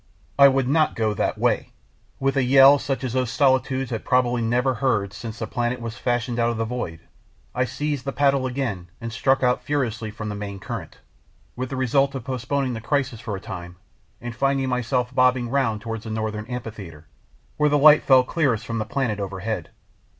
I WOULD not go that way! With a yell such as those solitudes had probably never heard since the planet was fashioned out of the void, I seized the paddle again and struck out furiously from the main current, with the result of postponing the crisis for a time, and finding myself bobbing round towards the northern amphitheatre, where the light fell clearest from planets overhead.